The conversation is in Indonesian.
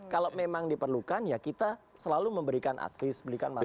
kalau memang diperlukan ya kita selalu memberikan advies memberikan masukan